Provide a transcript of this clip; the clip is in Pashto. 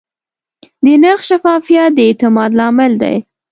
د نرخ شفافیت د اعتماد لامل دی.